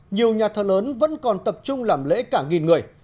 nhiều nhà thờ lớn vẫn còn tập trung làm lễ cả nghìn người